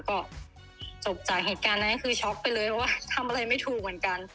ก็จบจากเหตุการณ์นั้นคือช็อกไปเลยเพราะว่าทำอะไรไม่ถูกเหมือนกัน